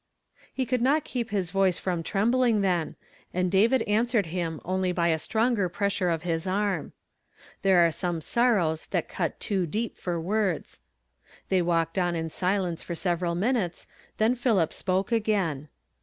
!Io could not kee[) liis VoieO from trem1)linj| tlien, and David answered him only by a stronger nresHurc of his arm. Tliere are Home sorrows that cut too deei) for woids. 'IMiey walked on in silence for several minutes, then Philip spoke again.